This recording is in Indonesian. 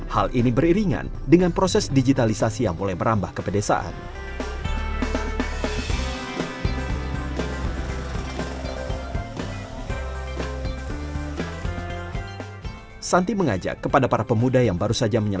hal ini beriringan dengan proses digitalisasi yang mulai merambah ke pedesaan